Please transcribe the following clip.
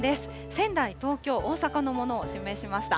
仙台、東京、大阪のものを示しました。